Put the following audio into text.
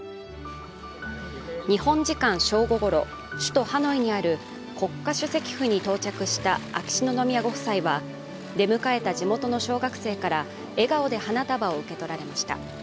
日本時間正午ごろ、首都ハノイにある国家主席府に到着した秋篠宮ご夫妻は出迎えた地元の小学生から笑顔で花束を受け取られました。